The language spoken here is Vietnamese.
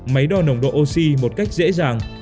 máy đo nồng độ oxy một cách dễ dàng